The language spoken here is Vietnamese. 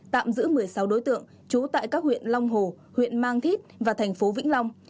tạm giữ một mươi sáu đối tượng trú tại các huyện long hồ huyện mang thít và thành phố vĩnh long